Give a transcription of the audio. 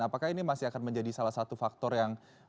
apakah ini masih akan menjadi salah satu faktor yang